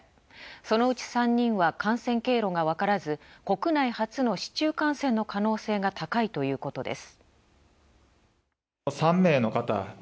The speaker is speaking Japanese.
そのうち３人は感染経路がわからず国内初の市中感染の可能性が高いということです。